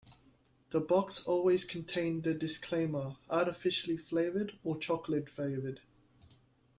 The box always contained the disclaimer "artificially flavored" or "chocolate flavored".